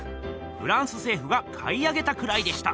フランス政府が買い上げたくらいでした。